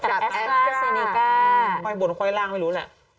แต่แอฟซาซานิกาไข่บนไข่ล่างไม่รู้แหละ